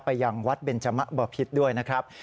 ยังวัดเบนจมะบะพิษด้วยนะครับ